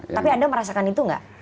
tapi anda merasakan itu nggak